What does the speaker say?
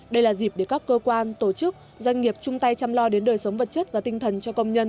đây là dịp để các cơ quan tổ chức doanh nghiệp chung tay chăm lo đến đời sống vật chất và tinh thần cho công nhân